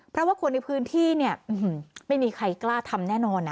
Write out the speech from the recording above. เพราะว่าคนในพื้นที่เนี่ยไม่มีใครกล้าทำแน่นอนนะ